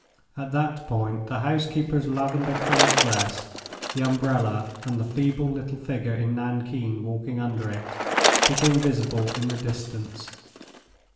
At that point the housekeeper's lavender colored dress, the umbrella, and the feeble little figure in nankeen walking under it, became visible in the distance.